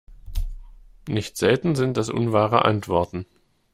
Nicht selten sind das unwahre Antworten.